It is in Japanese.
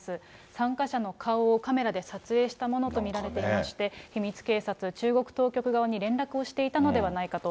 参加者の顔をカメラで撮影したものと見られていまして、秘密警察、中国当局側に連絡していたのではないかと。